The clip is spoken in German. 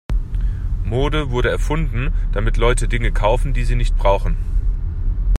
Mode wurde erfunden, damit Leute Dinge kaufen, die sie nicht brauchen.